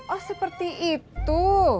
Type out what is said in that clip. oh seperti itu